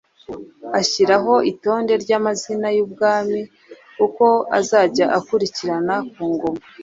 Ashyiraho itonde ry’amazina y’ubwami uko azajya akurikirana ku ngoma,